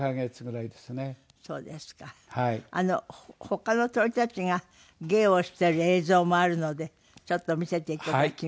他の鳥たちが芸をしてる映像もあるのでちょっと見せていただきます。